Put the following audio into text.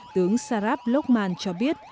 tướng sarab lokman cho biết